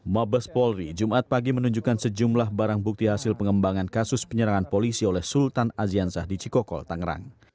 mabes polri jumat pagi menunjukkan sejumlah barang bukti hasil pengembangan kasus penyerangan polisi oleh sultan aziansah di cikokol tangerang